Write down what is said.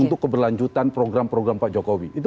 untuk keberlanjutan program program pak jokowi